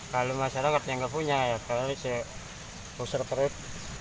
kalau masyarakat yang nggak punya ya harus usir perut